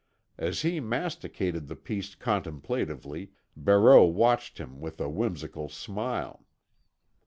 As he masticated the piece contemplatively, Barreau watched him with a whimsical smile.